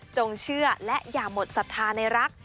เชื่อและอย่าหมดศรัทธาในรัก